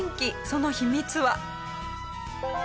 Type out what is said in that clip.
その秘密は。